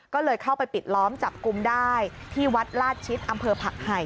ก็เลยเข้าไปปิดล้อมจับกลุ่มได้ที่วัดลาดชิดอำเภอผักไห่